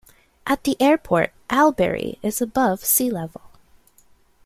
At the airport, Albury is above sea level.